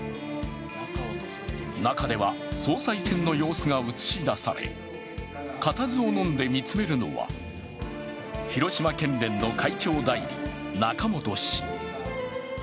中では総裁選の様子が映し出され固唾をのんで見つめるのは、広島県連の会長代理、中本氏。